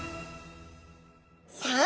さあ